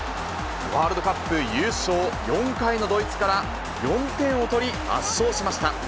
ワールドカップ優勝４回のドイツから４点を取り、圧勝しました。